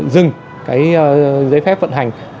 dừng cái giấy phép vận hành